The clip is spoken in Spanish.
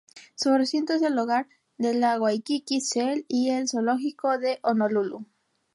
Su recinto es el hogar de la Waikiki Shell y el Zoológico de Honolulu.